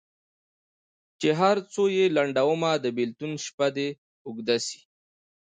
چي هر څو یې لنډومه د بېلتون شپه دي اوږده سي